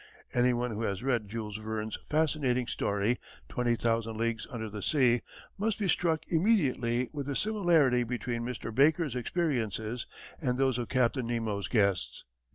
Any one who has read Jules Verne's fascinating story Twenty Thousand Leagues under the Sea must be struck immediately with the similarity between Mr. Baker's experiences and those of Captain Nemo's guests.